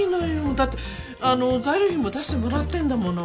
だってあの材料費も出してもらってんだもの。